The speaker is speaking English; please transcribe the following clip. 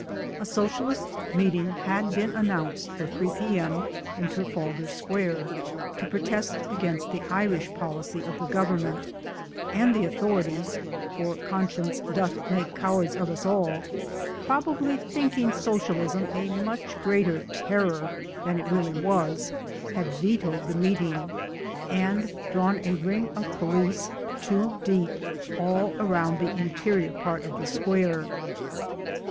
A socialist meeting had been an nounced for 3 p.m. in Trafalgar Square, to protest against the Irish policy of the Government, and the authorities (for conscience doth make cowards of us all) probably thinking Socialism a much greater * terror ' than it really was, had vetoed the meeting and drawn a ring of police, two deep, all round the interior part of the Square.